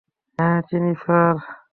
হ্যা, চিনি স্যার।